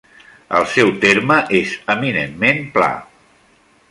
El seu terme és eminentment pla.